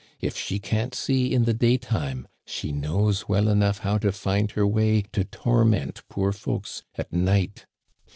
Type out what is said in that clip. If she can't see in the daytime, she knows well enough how to find her way to torment poor folks at night.